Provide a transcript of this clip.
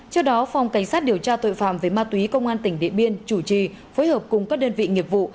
trước đó phòng cảnh sát điều tra tội phạm về ma túy công an tỉnh điện biên chủ trì phối hợp cùng các đơn vị nghiệp vụ